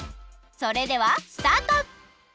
それではスタート！